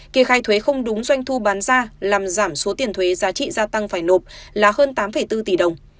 kê khai thuế không đúng doanh thu bán ra làm giảm số tiền thuế giá trị gia tăng phải nộp là hơn tám bốn tỷ đồng